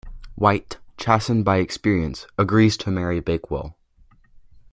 White, chastened by the experience, agrees to marry Bakewell.